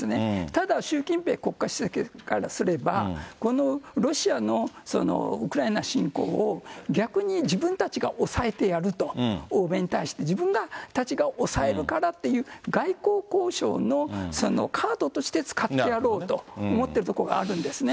ただ、習近平国家主席からすれば、このロシアのウクライナ侵攻を逆に自分たちが抑えてやると、欧米に対して自分たちが抑えるからっていう外交交渉のカードとして使ってやろうと思ってるところがあるんですね。